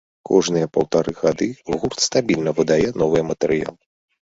Кожныя паўтары гады гурт стабільна выдае новы матэрыял.